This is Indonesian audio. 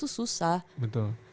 tuh susah betul